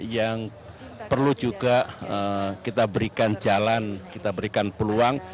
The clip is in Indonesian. yang perlu juga kita berikan jalan kita berikan peluang